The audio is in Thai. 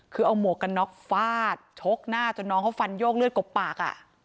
คือเอาหมวกกันน็อกฟาดชกหน้าจนน้องเขาฟันโยกเลือดกบปาก